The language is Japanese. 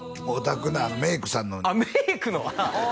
おたくのメイクさんのあっメイクの？